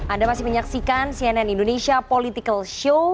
anda masih menyaksikan cnn indonesia political show